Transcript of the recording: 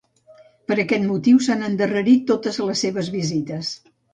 Per aquest motiu, s'han endarrerit totes les seves visites.